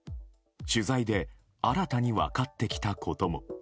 取材で新たに分かってきたことも。